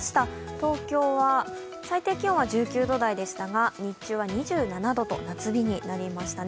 東京は最低気温は１９度台でしたが、日中は２７度と夏日になりましたね。